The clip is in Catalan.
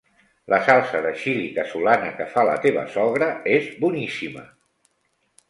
La salsa de xili casolana que fa la teva sogra és boníssima.